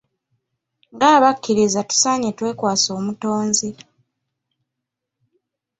Nga abakkiriza tusaanye twekwase omutonzi.